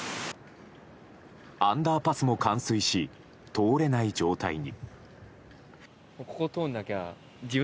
アンダーパスも冠水し通れない状態に。